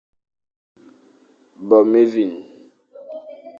Bôm évîn.